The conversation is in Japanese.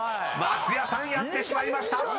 松也さんやってしまいました］